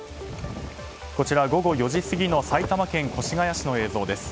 午後４時過ぎの埼玉県越谷市の映像です。